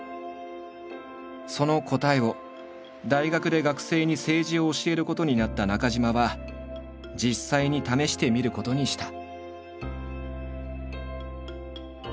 その答えを大学で学生に政治を教えることになった中島は実際に試してみることにした。